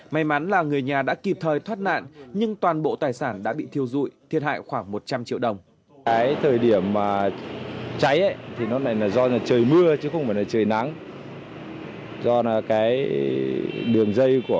may mắn là người nhà đã kịp thời thoát nạn nhưng toàn bộ tài sản đã bị thiêu dụi thiệt hại khoảng một trăm linh triệu đồng